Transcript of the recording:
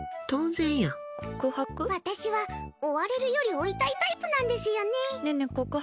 私は追われるより追いたいタイプなんですよね。